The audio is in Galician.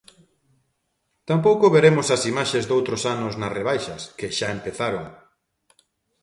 Tampouco veremos as imaxes doutros anos nas rebaixas, que xa empezaron.